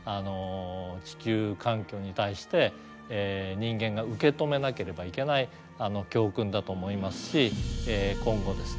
地球環境に対して人間が受け止めなければいけない教訓だと思いますし今後ですね